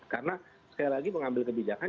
karena sekali lagi pengambil kebijakan